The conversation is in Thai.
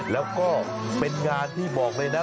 แล้วก็เป็นงานที่บอกเลยนะ